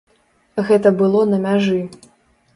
Гэта было на мяжы.